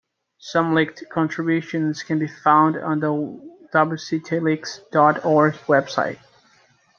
Some leaked contributions can be found on the wcitleaks dot org web site.